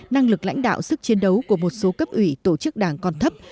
năng lực lãnh đạo sức chiến đấu của một số cấp ủy tổ chức đảng còn thấp